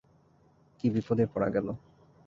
কী বিপদেই পড়া গেল!